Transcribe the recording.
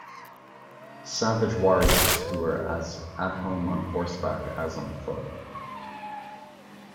Savage warriors who were as at home on horseback as on foot.